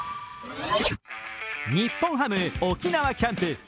日本ハム・沖縄キャンプ。